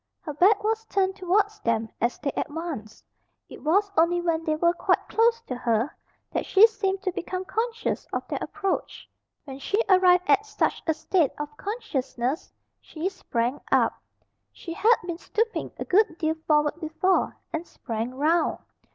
Her back was turned towards them as they advanced. It was only when they were quite close to her that she seemed to become conscious of their approach. When she arrived at such a state of consciousness she sprang up she had been stooping a good deal forward before and sprang round.